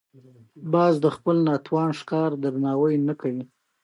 باز د خپل ناتوان ښکار درناوی نه کوي